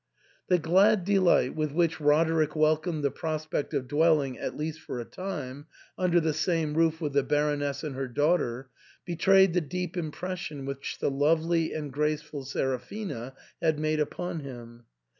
The glad delight with which Roderick welcomed the prospect of dwelling, at least for a time, under the same roof with the Baroness and her daughter, betrayed the deep impression which the lovely and graceful Seraphina had made upon him.